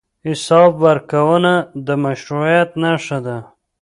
حساب ورکونه د مشروعیت نښه ده.